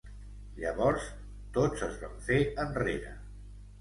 Llavors tots es van fer enrere.